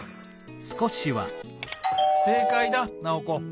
「正かいだナオコ」。